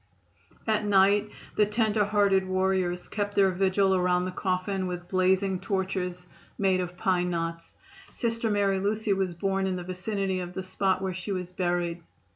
At night the tender hearted warriors kept their vigil around the coffin with blazing torches made of pine knots. Sister Mary Lucy was born in the vicinity of the spot where she was buried.